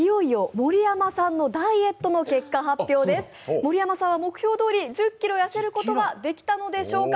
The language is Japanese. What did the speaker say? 盛山さんは目標どおり１０ｋｇ痩せることができたのでしょうか。